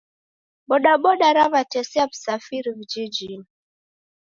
Bodaboda raw'atesia w'usafiri vijijinyi